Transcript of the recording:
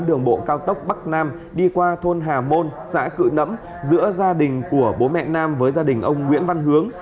đường bộ cao tốc bắc nam đi qua thôn hà môn xã cự nẫm giữa gia đình của bố mẹ nam với gia đình ông nguyễn văn hướng